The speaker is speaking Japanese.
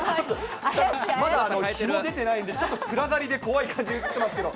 まだ日も出てないので、ちょっと暗がりで怖い感じに映ってますけど。